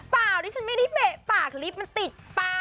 เปล่าที่ฉันไม่ได้เปะปากลิปมันติดปาก